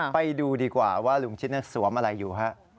ไปดูดีกว่าว่าลุงชิดสวมอะไรอยู่ฮะ